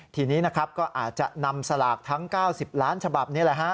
ทีนี้ก็อาจจะนำสลากทั้ง๙๐ล้านฉบับนี้